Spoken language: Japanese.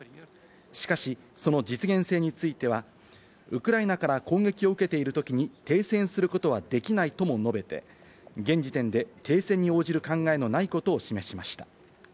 しかし、その実現性についてはウクライナから攻撃を受けているときに停戦することはできないとも述べて現時点で停戦に応じる考えのないことを示しました。